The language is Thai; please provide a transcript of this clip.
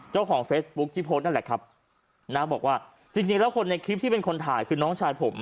เจ้าของเฟซบุ๊คที่โพสต์นั่นแหละครับนะบอกว่าจริงจริงแล้วคนในคลิปที่เป็นคนถ่ายคือน้องชายผม